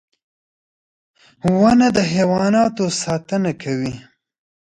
• ونه د حیواناتو ساتنه کوي.